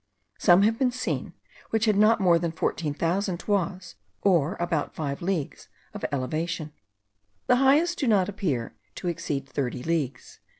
Some have been seen, which had not more than 14,000 toises, or about five leagues of elevation. The highest do not appear to exceed thirty leagues.